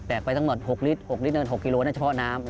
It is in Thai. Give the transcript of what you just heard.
แบกไปตั้งหมด๖ลิตร๖กิโลนั่นเฉพาะน้ำ